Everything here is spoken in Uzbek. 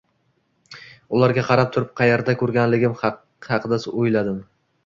Ularga qarab turib, qayerda koʻrganligim haqida oʻyladim: